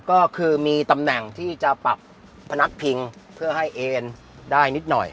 ก็คือมีตำแหน่งที่จะปรับพนักพิงเพื่อให้เอ็นได้นิดหน่อย